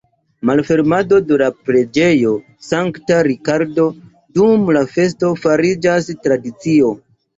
Malfermado de la preĝejo Sankta Rikardo dum la festo fariĝas tradicio.